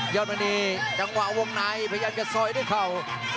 มณีจังหวะวงในพยายามจะซอยด้วยเข่า